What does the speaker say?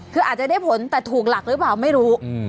คืออาจจะได้ผลแต่ถูกหลักหรือเปล่าไม่รู้